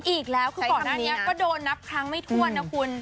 อีกแล้วคือก่อนหน้านี้ก็โดนนับครั้งไม่ถ้วนนะคุณ